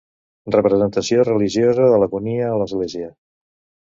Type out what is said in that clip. Representació religiosa de l'Agonia a l'església.